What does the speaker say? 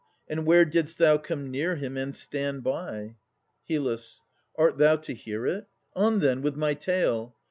And where didst thou come near him and stand by? HYL. Art thou to hear it? On, then, with my tale!